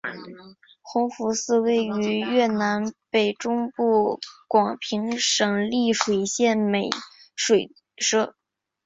弘福寺位于越南北中部广平省丽水县美水社。